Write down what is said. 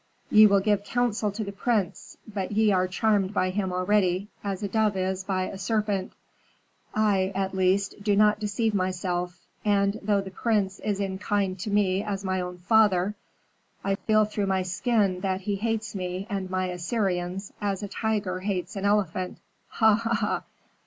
"Ye will give counsel to the prince! But ye are charmed by him already, as a dove is by a serpent. I, at least, do not deceive myself; and, though the prince is as kind to me as my own father, I feel through my skin that he hates me and my Assyrians as a tiger hates an elephant. Ha! ha!